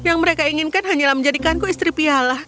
yang mereka inginkan hanyalah menjadikanku istri piala